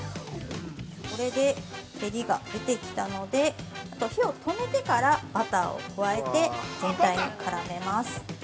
◆これで照りが出てきたので火を止めてからバターを加えて全体に絡めます。